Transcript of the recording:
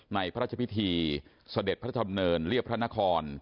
พระราชพิธีเสด็จพระธรรมเนินเรียบพระนคร